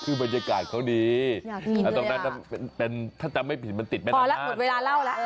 คือบรรยากาศเขาดีถ้าจะไม่ผิดมันติดไปดังนั้นพอแล้วหมดเวลาเล่าแล้ว